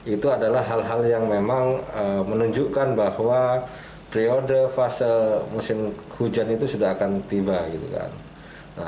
itu adalah hal hal yang memang menunjukkan bahwa periode fase musim hujan itu sudah akan tiba gitu kan